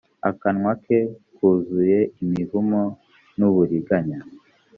akanwa ke kuzuye imivumo n’uburinganya